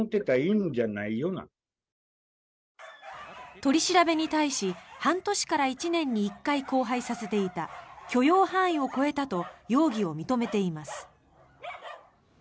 取り調べに対し半年から１年に１回交配させていた許容範囲を超えたと容疑を認めています。